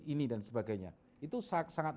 ini dan sebagainya itu sangat